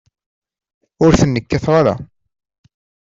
Ur ten-kkateɣ ara.